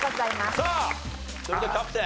さあそれではキャプテン。